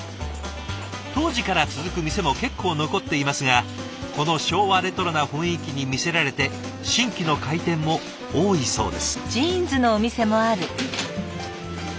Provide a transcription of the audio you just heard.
当時から続く店も結構残っていますがこの昭和レトロな雰囲気に魅せられて新規の開店も多いそうです。